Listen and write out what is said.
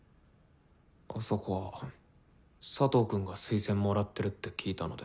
あそこは佐藤くんが推薦もらってるって聞いたので。